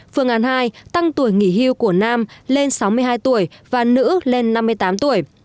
phương án hai tăng tuổi nghỉ hưu của nam lên sáu mươi hai tuổi và nữ lên năm mươi tám tuổi